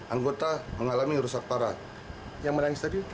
anggota mengalami rusak parah yang meraih sedih yang menangis tadi sempat mengalami